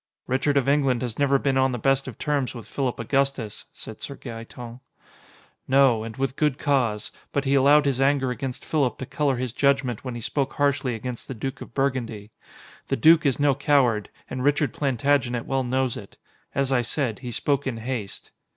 "Richard of England has never been on the best of terms with Philip Augustus," said Sir Gaeton. "No, and with good cause. But he allowed his anger against Philip to color his judgment when he spoke harshly against the Duke of Burgundy. The Duke is no coward, and Richard Plantagenet well knows it. As I said, he spoke in haste."